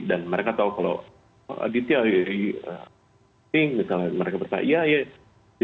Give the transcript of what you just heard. dan mereka tahu kalau di italia ini misalnya mereka berpikir ya ya